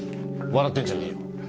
笑ってんじゃねえよ。